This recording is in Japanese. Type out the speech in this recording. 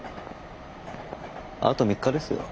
あと３日ですよ。